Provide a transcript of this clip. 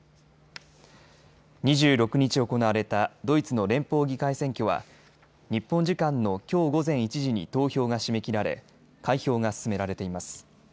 ２６日、行われたドイツの連邦議会選挙は日本時間のきょう午前１時に投票が締め切られ開票が進められています。